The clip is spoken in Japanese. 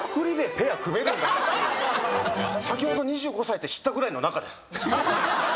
まさか先ほど２５歳って知ったぐらいの仲です